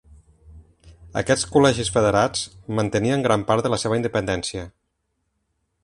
Aquests col·legis federats mantenien gran part de la seva independència.